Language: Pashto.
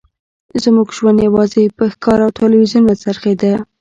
زموږ ژوند یوازې په ښکار او تلویزیون راڅرخیده